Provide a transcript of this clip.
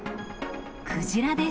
クジラです。